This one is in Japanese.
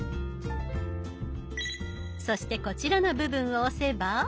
そしてこちらの部分を押せば。